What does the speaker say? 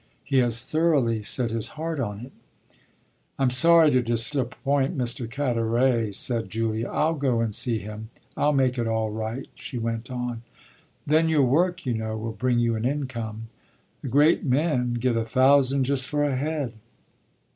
He has thoroughly set his heart on it." "I'm sorry to disappoint Mr. Carteret," said Julia. "I'll go and see him. I'll make it all right," she went on. "Then your work, you know, will bring you an income. The great men get a thousand just for a head."